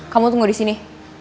kamu tunggu disini